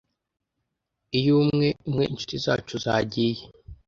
Iyo umwe umwe inshuti zacu zagiye,